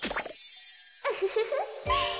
ウフフフ。